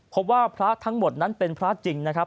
พบว่าพระทั้งหมดนั้นเป็นพระจริงนะครับ